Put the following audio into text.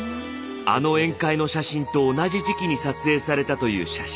あの宴会の写真と同じ時期に撮影されたという写真。